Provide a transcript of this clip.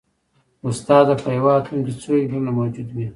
استاده په یو اتوم کې څو الکترونونه موجود وي